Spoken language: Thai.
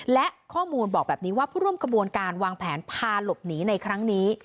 และข้อมูลบอกแบบนี้ว่าผู้ร่วมกระบวนการวางแผนพาหลบหนีในครั้งนี้